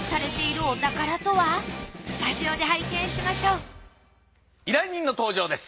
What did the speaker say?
スタジオで拝見しましょう依頼人の登場です。